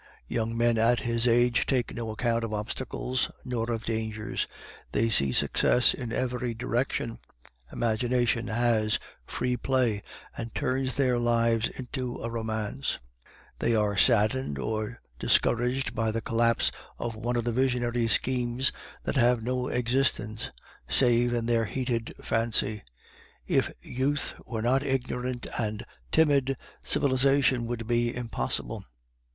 Young men at his age take no account of obstacles nor of dangers; they see success in every direction; imagination has free play, and turns their lives into a romance; they are saddened or discouraged by the collapse of one of the visionary schemes that have no existence save in their heated fancy. If youth were not ignorant and timid, civilization would be impossible.